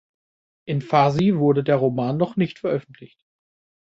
In Farsi wurde der Roman noch nicht veröffentlicht.